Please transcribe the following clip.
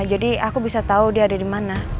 jadi aku bisa tau dia ada di mana